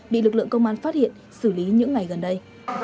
bị lực lượng công an phát hiện xử lý những ngày gần đây